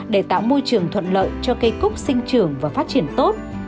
để tạo môi trường thuận lợi cho cây cúc sinh trưởng và phát triển tốt